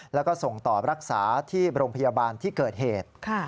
แล้วก็ส่งต่อรักษาที่โรงพยาบาลที่เกิดเหตุ